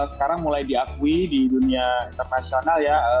sekarang mulai diakui di dunia internasional ya